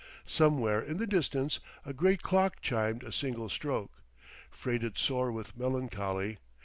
Somewhere in the distance a great clock chimed a single stroke, freighted sore with melancholy.